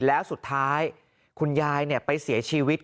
แล้วสุดท้ายคุณยายไปเสียชีวิต